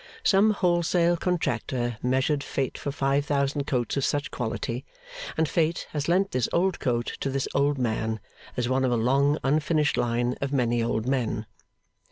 Some wholesale contractor measured Fate for five thousand coats of such quality, and Fate has lent this old coat to this old man, as one of a long unfinished line of many old men.